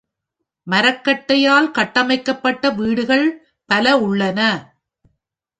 மரகட்டையால் கட்டமைக்கப்பட்ட வீடுகள் பல உள்ளன.